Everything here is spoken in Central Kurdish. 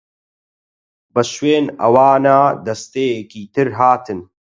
بە شوێن ئەوانا دەستەیەکی تر هاتن.